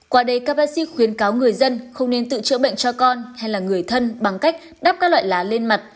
qua đây kapasi khuyến cáo người dân không nên tự chữa bệnh cho con hay là người thân bằng cách đắp các loại lá lên mặt